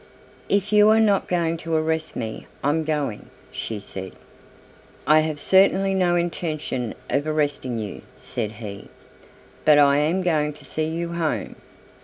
"If you are not going to arrest me I'm going," she said. "I have certainly no intention of arresting you," said he, "but I am going to see you home!"